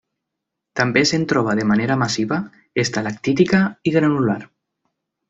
També se'n troba de manera massiva, estalactítica i granular.